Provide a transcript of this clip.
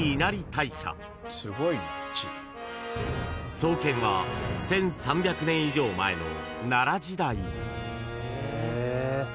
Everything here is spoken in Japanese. ［創建は１，３００年以上前の奈良時代］